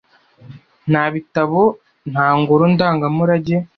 Nta bitabo nta ngoro ndangamurage